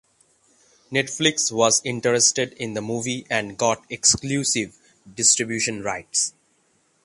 Netflix was interested in the movie and got exclusive distribution rights.